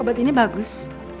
obat ini bagus